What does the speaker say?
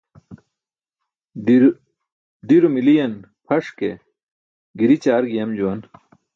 Ḍiro miliyan pʰaş ke giri ćaar giyam juwan.